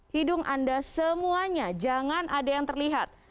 hidung anda semuanya jangan ada yang terlihat